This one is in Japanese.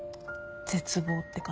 絶望って感じ。